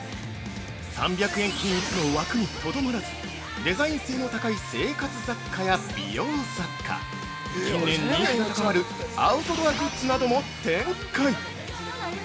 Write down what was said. ３００円均一の枠にとどまらず、デザイン性の高い生活雑貨や美容雑貨、近年人気が高まるアウトドアグッズなども展開。